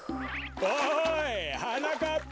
おいはなかっぱ！